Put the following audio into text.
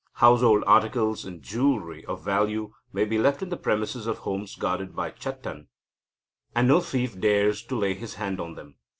Household articles and jewelry of value may be left in the premises of homes guarded by Chattan, and no thief dares to lay his hand on them.